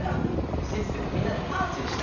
施設でもみんなでパーチーしたろ？